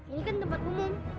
ini kan tempat umum